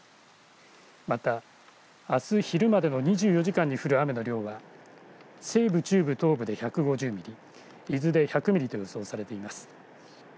また、あす昼までの２４時間に降る雨の量は西部、中部、東部で１５０ミリ伊豆で１００ミリと予想されています。